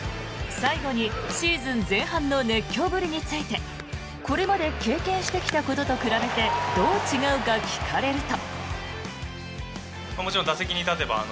最後にシーズン前半の熱狂ぶりについてこれまで経験してきたことと比べてどう違うか聞かれると。